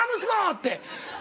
って。